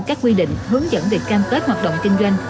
các quy định hướng dẫn việc cam kết hoạt động kinh doanh